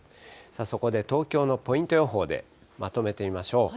そこで東京のポイント予報でまとめてみましょう。